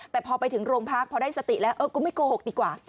แต่พอไปถึงโรงพักพอได้สติแล้วก็ไม่โกหกดีกว่า